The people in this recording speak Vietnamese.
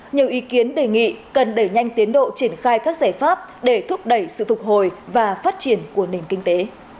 nhiều ý kiến đề nghị cần đẩy nhanh tiến độ triển khai các giải pháp để thúc đẩy sự phục hồi và phát triển của nền kinh tế